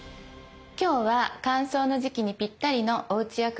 今日は乾燥の時期にぴったりのおうち薬膳です。